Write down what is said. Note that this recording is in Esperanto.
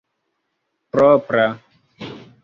propra